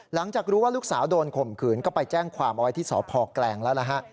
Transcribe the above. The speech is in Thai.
หลังจากรู้ว่าลูกสาวโดนข่มขืนก็ไปแจ้งความเอาไว้ที่สพแกลงแล้วนะฮะ